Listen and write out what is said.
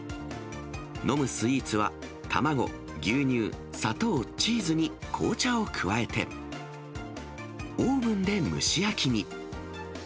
飲むスイーツは、卵、牛乳、砂糖、チーズに紅茶を加えて、オーブンで蒸し焼きに。